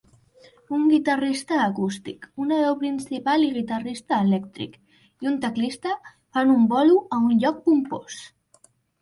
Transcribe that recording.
Un guitarrista acústic, una veu principal i guitarrista elèctric i un teclista fan un bolo a un lloc pompós